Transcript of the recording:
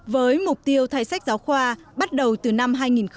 với mục tiêu thay sách giáo khoa bắt đầu từ năm hai nghìn một mươi tám